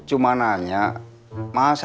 ini cemumun yang bikin saya nganterin aja